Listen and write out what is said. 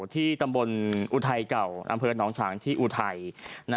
ที่ตำบลอุทัยเก่าอำเภอหนองฉางที่อุทัย